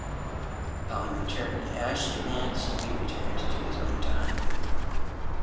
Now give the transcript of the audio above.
Upon return, Ash demands to be returned to his own time.